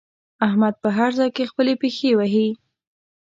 احمد په هر ځای کې خپلې پښې وهي.